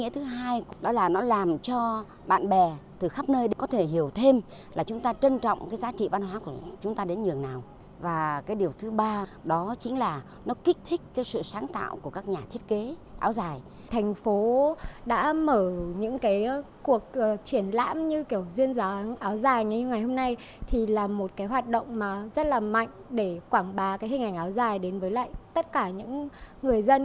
thì là một cái hoạt động mà rất là mạnh để quảng bá cái hình ảnh áo dài đến với lại tất cả những người dân